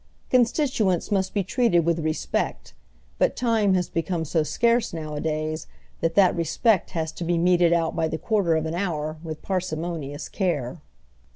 Constituents must be treated with respect; but time has become so scarce now a days that that respect has to be meted out by the quarter of an hour with parsimonious care.